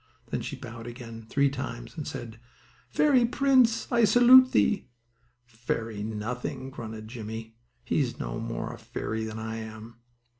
Then she bowed again, three times, and said: "Fairy prince, I salute thee." "Fairy nothing!" grunted Jimmie. "He is no more a fairy than I am."